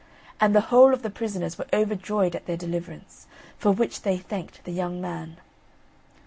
And the whole of the prisoners were overjoyed at their deliverance, for which they thanked the young man.